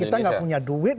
kita nggak punya duit